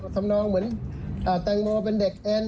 ทำนองเหมือนแตงโมเป็นเด็กแอน